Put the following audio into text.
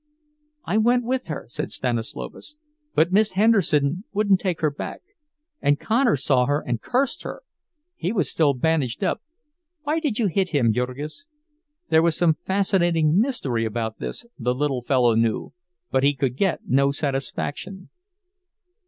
"I went with her," said Stanislovas, "but Miss Henderson wouldn't take her back. And Connor saw her and cursed her. He was still bandaged up—why did you hit him, Jurgis?" (There was some fascinating mystery about this, the little fellow knew; but he could get no satisfaction.)